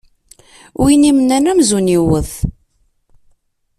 Win imennan amzun iwwet.